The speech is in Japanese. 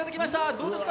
どうですか？